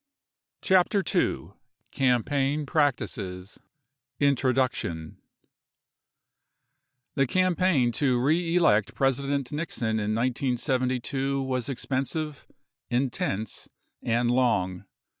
CHAPTER 2 Campaign Practices INTRODUCTION The campaign to reelect President Nixon in 1972 was expensive, intense, and long.